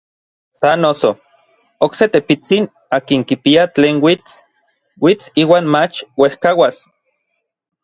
Sa noso, okse tepitsin akin kipia tlen uits, uits iuan mach uejkauas.